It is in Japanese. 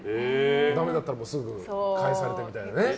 ダメだったらすぐ帰されてみたいなね。